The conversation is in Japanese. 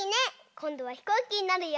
こんどはひこうきになるよ！